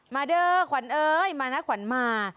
เด้อขวัญเอ้ยมานะขวัญมา